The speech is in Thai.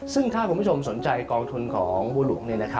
ซึ่งถ้าคุณผู้ชมสนใจกองทุนของบัวหลวง